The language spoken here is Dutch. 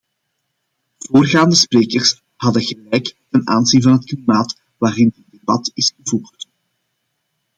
Voorgaande sprekers hadden gelijk ten aanzien van het klimaat waarin dit debat is gevoerd.